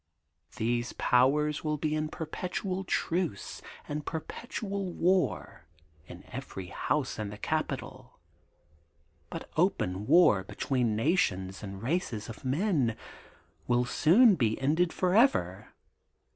These powers will be in perpetual truce and perpetual war in every house in the Cap ital. But open war between nations and races of men will soon be ended forever.